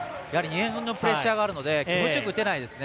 ディフェンスのプレッシャーがあるので気持ちよく打てないですね。